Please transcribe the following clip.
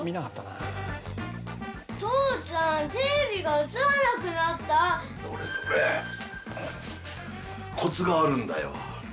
どれどれコツがあるんだよ。